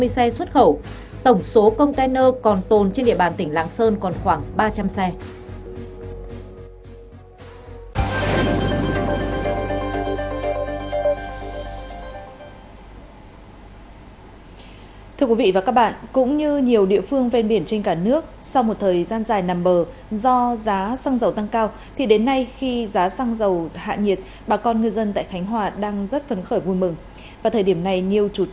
xe xuất khẩu tổng số container còn tồn trên địa bàn tỉnh lạng sơn còn khoảng ba trăm linh xe